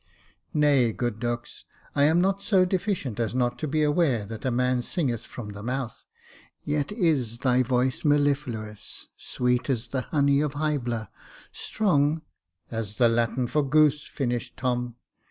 " Nay, good Dux^ I am not so deficient as not to be aware that a man singeth from the mouth ; yet is thy voice mellifluous, sweet as the honey of Hybla, strong "" As the Latin for goose," finished Tom.